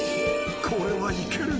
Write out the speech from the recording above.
［これはいける。